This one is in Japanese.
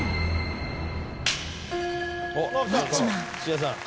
「土田さん」